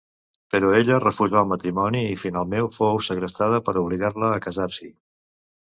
Però ella refusà el matrimoni i finalment fou segrestada per obligar-la a casar-s'hi.